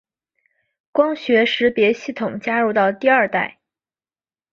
光学识别系统加入到第二代。